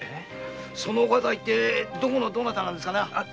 そのお方は一体どこのどなたなんですかな。